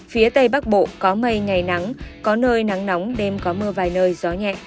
phía tây bắc bộ có mây ngày nắng có nơi nắng nóng đêm có mưa vài nơi gió nhẹ